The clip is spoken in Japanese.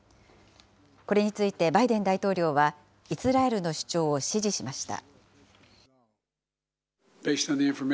これについてバイデン大統領はイスラエルの主張を支持しました。